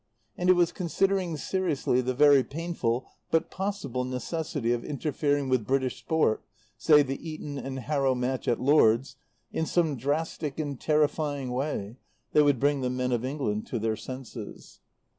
And it was considering seriously the very painful but possible necessity of interfering with British sport say the Eton and Harrow Match at Lord's in some drastic and terrifying way that would bring the men of England to their senses.